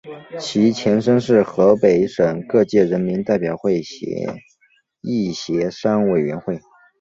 其前身是河北省各界人民代表会议协商委员会。